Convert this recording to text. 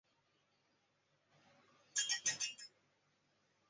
因此查图西茨战役是两军主力的一场遭遇战。